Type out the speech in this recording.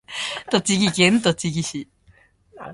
栃木県栃木市